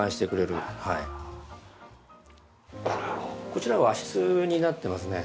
こちら和室になってますね。